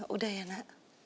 udah ya nak